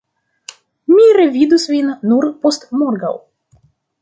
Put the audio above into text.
Mi revidos vin nur postmorgaŭ.